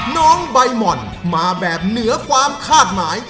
น้องใบหม่อนมาแบบเหนือความคาดหมาย